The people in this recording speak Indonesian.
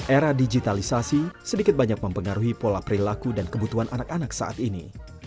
era digitalisasi sedikit banyak mempengaruhi pola perilaku dan kebutuhan anak anak saat ini